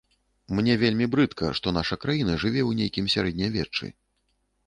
Мне вельмі брыдка, што наша краіна жыве ў нейкім сярэднявеччы.